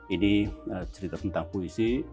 ini cerita tentang puisi